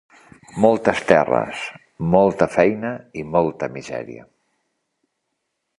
Moltes terres, molta feina i molta misèria.